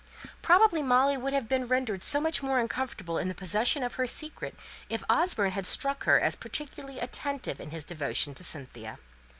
Probably Molly would have been rendered much more uncomfortable in the possession of her secret if Osborne had struck her as particularly attentive in his devotion to Cynthia.